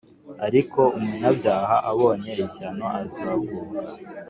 Ariko umunyabyaha abonye ishyano Azagubwa